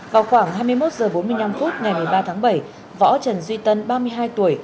vào khoảng hai mươi một h bốn mươi năm phút ngày một mươi ba tháng bảy võ trần duy tân ba mươi hai tuổi